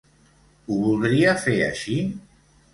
Ho voldria fer així?